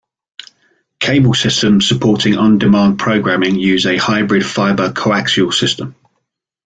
Cable systems supporting on-demand programming use a hybrid fiber-coaxial system.